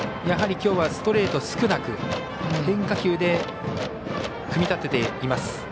やはり、きょうはストレート少なく変化球で組み立てています。